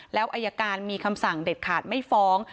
แล้วอายการมีคำสั่งเด็ดขาดไม่ฟ้อง